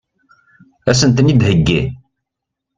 Ad sen-ten-id-theggi?